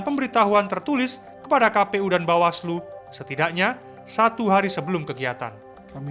pemberitahuan tertulis kepada kpu dan bawaslu setidaknya satu hari sebelum kegiatan kami